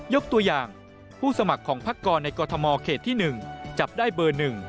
ยกตัวอย่างผู้สมัครของพักกรในกรทมเขตที่๑จับได้เบอร์๑